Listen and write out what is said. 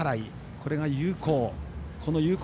これが有効。